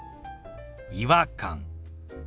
「違和感」。